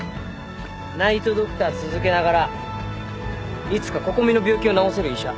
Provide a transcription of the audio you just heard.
ナイト・ドクター続けながらいつか心美の病気を治せる医者。